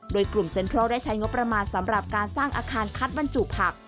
โดยกลุ่มเซ็นทรัลได้ใช้งบประมาณสำหรับการสร้างอาคารคัดบรรจุผัก